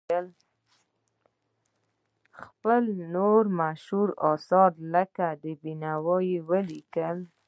خپل نور مشهور اثار لکه بینوایان یې ولیکل.